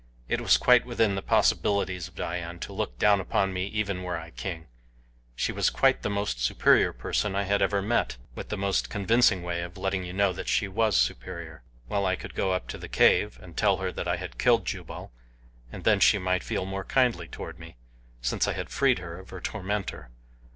It was quite within the possibilities of Dian to look down upon me even were I king. She was quite the most superior person I ever had met with the most convincing way of letting you know that she was superior. Well, I could go to the cave, and tell her that I had killed Jubal, and then she might feel more kindly toward me, since I had freed her of her tormentor.